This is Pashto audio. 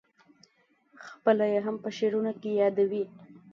خپله یې هم په شعرونو کې یادوې.